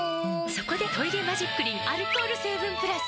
そこで「トイレマジックリン」アルコール成分プラス！